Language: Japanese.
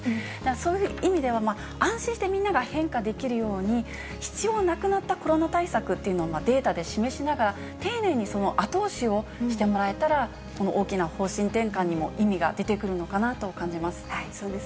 そういう意味では、安心してみんなが変化できるように、必要なくなったコロナ対策というのを、データで示しながら、丁寧にその後押しをしてもらえたら、この大きな方針転換にも意味が出てくるのかなと感じます。